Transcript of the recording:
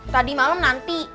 tadi malam nanti